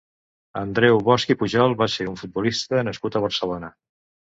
Andreu Bosch i Pujol va ser un futbolista nascut a Barcelona.